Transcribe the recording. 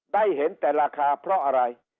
ได้เห็นแต่ราคาเพราะอะไร